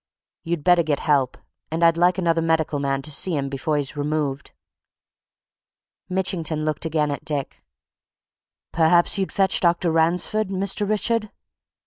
You'd better get help and I'd like another medical man to see him before he's removed." Mitchington looked again at Dick. "Perhaps you'd fetch Dr. Ransford, Mr Richard?"